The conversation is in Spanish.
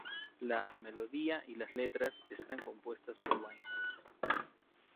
La melodía y las letras están compuestas por Winehouse.